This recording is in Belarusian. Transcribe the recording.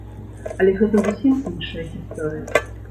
Але гэта зусім іншая гісторыя.